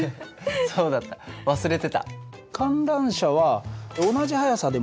そうだった忘れてた。